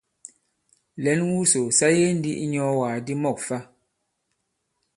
Lɛ̌n wusò sa yege ndī i inyɔ̄ɔwàk di mɔ̂k fa.